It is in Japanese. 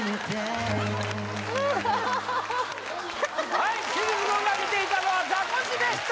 はい清水くんが見ていたのはザコシでした！